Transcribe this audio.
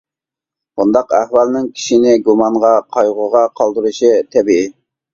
بۇنداق ئەھۋالنىڭ كىشىنى گۇمانغا، قايغۇغا قالدۇرۇشى تەبىئىي.